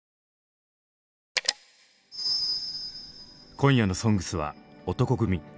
今夜の「ＳＯＮＧＳ」は男闘呼組。